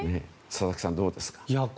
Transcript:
佐々木さん、どうですか？